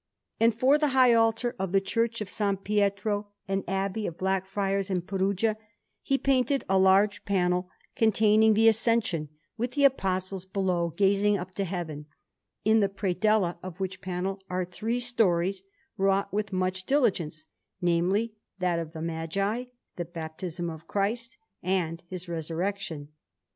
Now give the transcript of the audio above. And for the high altar of the Church of S. Pietro, an abbey of Black Friars in Perugia, he painted a large panel containing the Ascension, with the Apostles below gazing up to Heaven; in the predella of which panel are three stories, wrought with much diligence namely, that of the Magi, the Baptism of Christ, and His Resurrection.